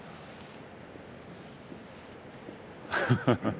ハハハ。